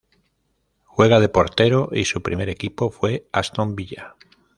Juega de portero y su primer equipo fue Aston Villa.